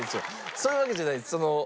そういうわけじゃない。